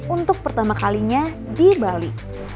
untuk pertama kalinya di bali